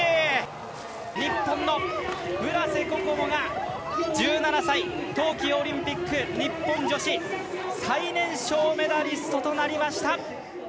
日本の村瀬心椛が１７歳、冬季オリンピック日本女子最年少メダリストとなりました。